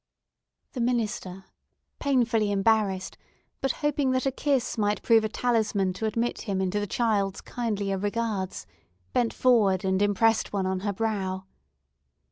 The minister—painfully embarrassed, but hoping that a kiss might prove a talisman to admit him into the child's kindlier regards—bent forward, and impressed one on her brow.